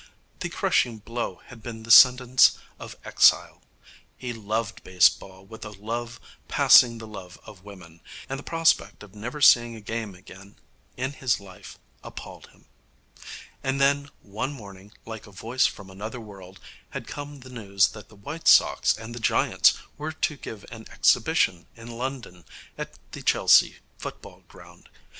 The crushing blow had been the sentence of exile. He loved baseball with a love passing the love of women, and the prospect of never seeing a game again in his life appalled him. And then, one morning, like a voice from another world, had come the news that the White Sox and the Giants were to give an exhibition in London at the Chelsea Football Ground.